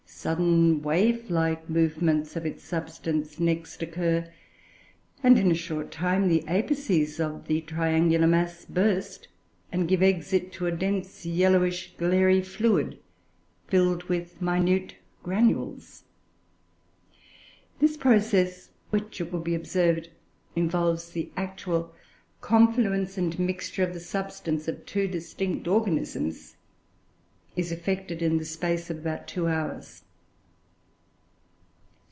Sudden wave like movements of its substance next occur; and, in a short time, the apices of the triangular mass burst, and give exit to a dense yellowish, glairy fluid, filled with minute granules. This process, which, it will be observed, involves the actual confluence and mixture of the substance of two distinct organisms, is effected in the space of about two hours.